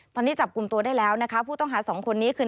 ตอนนี้จับกลุ่มตัวได้แล้วนะคะผู้ต้องหาสองคนนี้คือ